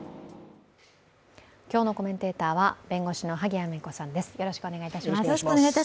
今日のコメンテーターは弁護士の萩谷麻衣子さんです。